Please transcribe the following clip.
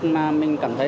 ngày hôm nay